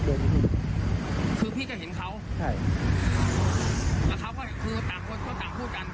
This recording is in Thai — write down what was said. คือพี่จะเห็นเขาใช่แล้วเขาก็คือต่างคนก็ต่างพูดกัน